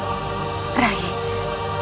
tolong jangan salah faham